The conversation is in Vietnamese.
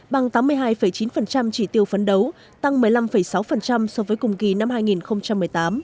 bằng tám mươi hai chín chỉ tiêu phấn đấu tăng một mươi năm sáu so với cùng kỳ năm hai nghìn một mươi tám